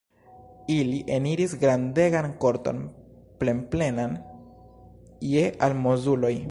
Ili eniris grandegan korton, plenplenan je almozuloj.